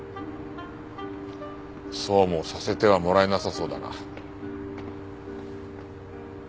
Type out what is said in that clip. そうもさせてはもらえなさそうだな。